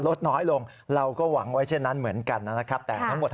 ลดน้อยลงเราก็หวังไว้เช่นนั้นเหมือนกันนะครับแต่ทั้งหมด